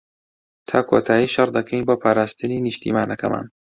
تا کۆتایی شەڕ دەکەین بۆ پاراستنی نیشتمانەکەمان.